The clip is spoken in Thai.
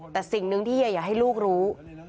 แต่สิ่งหนึ่งที่เฮียอยากให้ลูกรู้